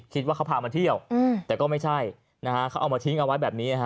คิดว่าเขาพามาเที่ยวแต่ก็ไม่ใช่นะฮะเขาเอามาทิ้งเอาไว้แบบนี้นะฮะ